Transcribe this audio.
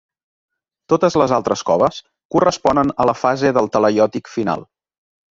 Totes les altres coves corresponen a la fase del talaiòtic final.